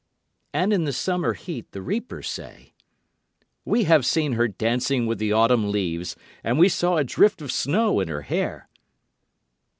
And in the summer heat the reapers say, "We have seen her dancing with the autumn leaves, and we saw a drift of snow in her hair."